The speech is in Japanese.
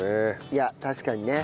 いや確かにね。